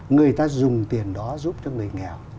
người ta dùng tiền đó giúp cho người nghèo